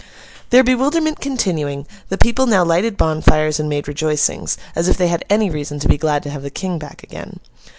Their bewilderment continuing, the people now lighted bonfires and made rejoicings, as if they had any reason to be glad to have the King back again.